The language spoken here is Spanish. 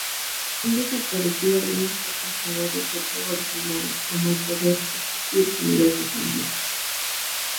Han desaparecido algunos potenciadores del juego original, como el poder escupir semillas de sandía.